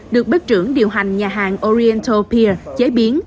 được bếp trưởng điều hành nhà hàng oriental pier chế biến